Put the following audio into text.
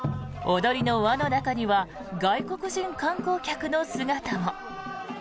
踊りの輪の中には外国人観光客の姿も。